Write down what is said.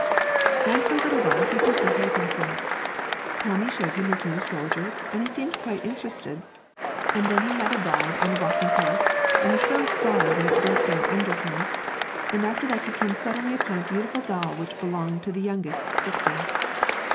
And for a little while he did behave himself. Tommy showed him his new soldiers, and he seemed quite interested; and then he had a ride on the rocking horse, and was sorry when it broke down under him; and after that he came suddenly upon a beautiful doll which belonged to the youngest sister.